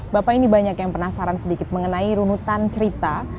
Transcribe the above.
bapak ini banyak yang penasaran sedikit mengenai runutan cerita